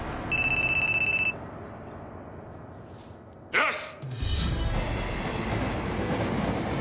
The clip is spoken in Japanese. よし！